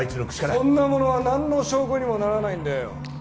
そんなものはなんの証拠にもならないんだよ。